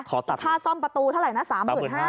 ค่าซ่อมประตูเท่าไหร่นะ๓๕๐๐บาท